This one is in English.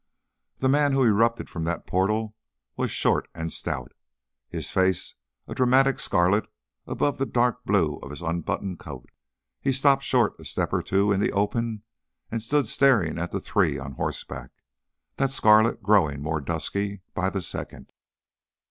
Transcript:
The man who erupted from that portal was short and stout, his face a dramatic scarlet above the dark blue of his unbuttoned coat. He stopped short a step or two into the open and stood staring at the three on horseback, that scarlet growing more dusky by the second.